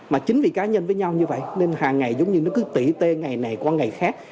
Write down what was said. mà chính vì cá nhân với nhau như vậy nên hàng ngày giống như nó cứ tỷ tê ngày này qua ngày khác